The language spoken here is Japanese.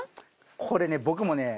これね僕もね